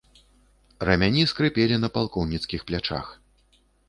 Рамяні скрыпелі на палкоўніцкіх плячах.